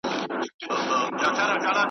د څراغ تتي رڼا ته وه لیدلې .